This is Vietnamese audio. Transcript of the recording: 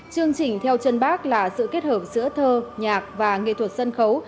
chương trình theo chân bác là sự kết hợp giữa thơ nhạc và nghệ thuật sân khấu